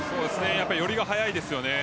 寄りが速いですよね。